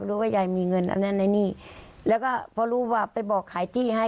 ว่ายายมีเงินอันนั้นไอ้นี่แล้วก็พอรู้ว่าไปบอกขายที่ให้